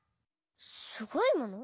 すごいもの？